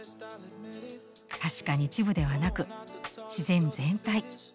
確かに一部ではなく自然全体。